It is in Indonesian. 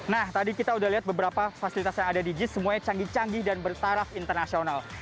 nah tadi kita udah lihat beberapa fasilitas yang ada di jis semuanya canggih canggih dan bertaraf internasional